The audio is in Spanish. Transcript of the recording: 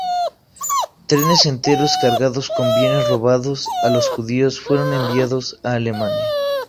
Trenes enteros cargados con bienes robados a los judíos fueron enviados a Alemania.